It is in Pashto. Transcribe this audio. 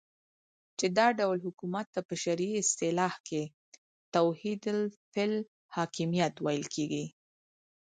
چی دا ډول حکومت ته په شرعی اصطلاح کی توحید فی الحاکمیت ویل کیږی